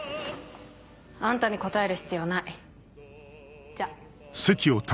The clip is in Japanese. あんたに答える必要ない。じゃ。